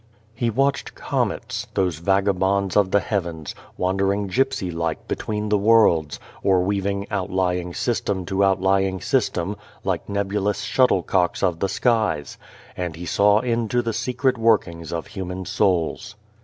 He watched comets, those vagabonds of the heavens, wandering gipsy like between the worlds, or weaving out lying system to out lying system, like nebulous shuttlecocks 229 The Lonely God of the skies ; and he saw into the secret workings of human souls.